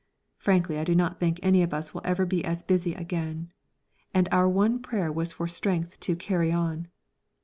Frankly, I do not think any of us will ever be as busy again, and our one prayer was for strength to "carry on."